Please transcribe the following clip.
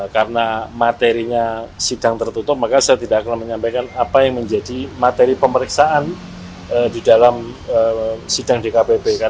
karena materinya sidang tertutup maka saya tidak akan menyampaikan apa yang menjadi materi pemeriksaan di dalam sidang dkbb